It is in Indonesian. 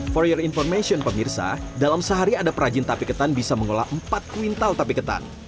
for your information pemirsa dalam sehari ada perajin tape ketan bisa mengolah empat kuintal tape ketan